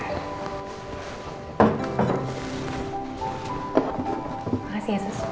makasih ya sus